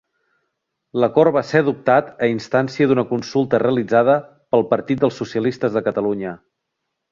L'acord va ser adoptat a instància d'una consulta realitzada pel Partit dels Socialistes de Catalunya.